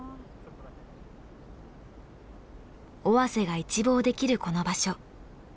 尾鷲が一望できるこの場所。